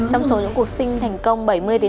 trong số những cuộc sinh thành công